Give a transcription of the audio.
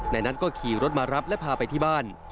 นายนัทก็ขี่รถมารับและพาไปที่บ้าน